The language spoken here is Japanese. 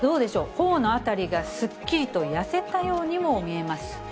ほおの辺りがすっきりと痩せたようにも見えます。